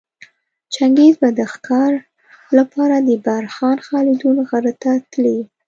چنګیز به د ښکاره لپاره د برخان خلدون غره ته تلی